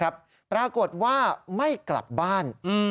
ปรากฏว่าไม่กลับบ้าน